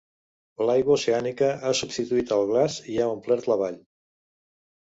L'aigua oceànica ha substituït el glaç i ha omplert la vall.